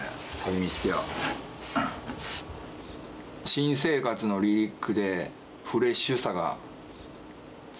新生活のリリックでフレッシュさが伝わってくるわ。